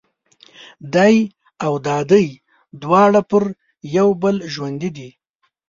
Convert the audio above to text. دای او دادۍ دواړه پر یو بل ژوندي دي.